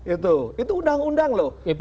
itu undang undang loh